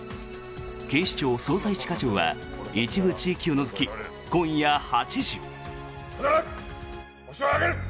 「警視庁・捜査一課長」は一部地域を除き、今夜８時。